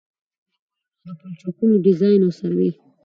د پلونو او پلچکونو ډيزاين او سروې